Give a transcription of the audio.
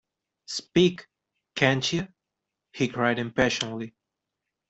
‘Speak, can’t you?’ he cried impatiently.